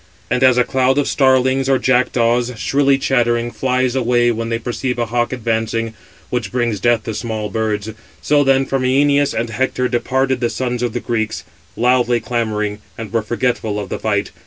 And as a cloud of starlings or jackdaws, shrilly chattering, 568 flies away when they perceive a hawk advancing, which brings death to small birds; so then from Æneas and Hector departed the sons of the Greeks, loudly clamouring, and were forgetful of the fight.